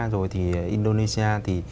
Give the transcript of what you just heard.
rồi thì indonesia